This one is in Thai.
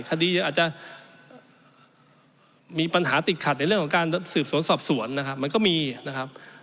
อาจจะมีปัญหาติดขัดในเรื่องของการสืบสวนสอบสวนนะครับมันก็มีนะครับ